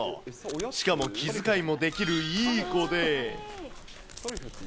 しかも気遣いもできるいい子で。